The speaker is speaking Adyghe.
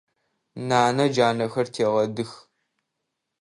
Нанэ джанэхэр тегъэдых.